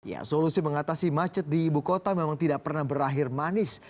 ya solusi mengatasi macet di ibu kota memang tidak pernah berakhir manis